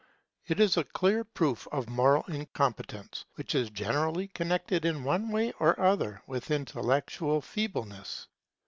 It is a clear proof of moral incompetence, which is generally connected in one way or other with intellectual feebleness.